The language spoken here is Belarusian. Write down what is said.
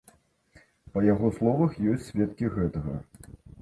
Па яго словах, ёсць сведкі гэтага.